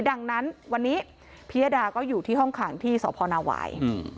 ดังนั้นวันนี้พิยดาก็อยู่ที่ห้องขังที่สพนาวาย